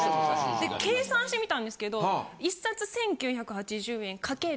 で計算してみたんですけど１冊１９８０円かける